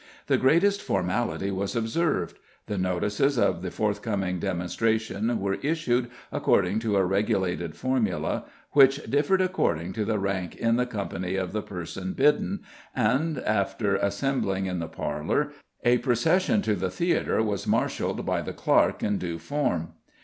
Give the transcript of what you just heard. The greatest formality was observed. The notices of the forthcoming demonstration were issued according to a regulated formula, which differed according to the rank in the Company of the person bidden, and, after assembling in the parlour, a procession to the theatre was marshalled by the clerk in due form.